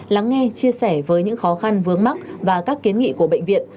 lắng nghe chia sẻ với những khó khăn vướng mắt và các kiến nghị của bệnh viện